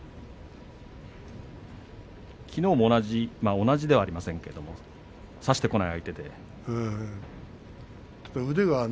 きのうも同じではありませんけれど差してこない相手でした。